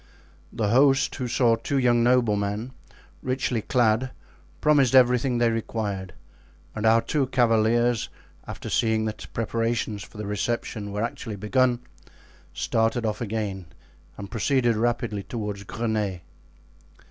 The host, who saw two young noblemen, richly clad, promised everything they required, and our two cavaliers, after seeing that preparations for the reception were actually begun, started off again and proceeded rapidly toward Greney.